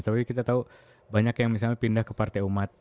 tapi kita tahu banyak yang misalnya pindah ke partai umat